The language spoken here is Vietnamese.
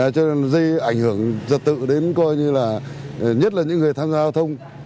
cho nên ảnh hưởng trật tự đến nhất là những người tham gia giao thông